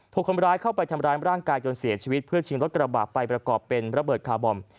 ถูกคนร้ายเข้าไปทำร้ายร่างกายจนเสียชีวิตเพื่อชิงรถกระบะไปประกอบเป็นระเบิดคาร์บอม